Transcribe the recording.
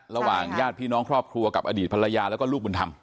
ญาติพี่น้องครอบครัวกับอดีตภรรยาแล้วก็ลูกบุญธรรม